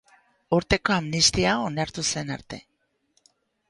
Urteko amnistia onartu zen arte.